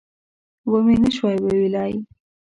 ومې نه شوای ویلای.